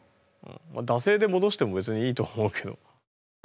惰性で戻しても別にいいとは思うけど。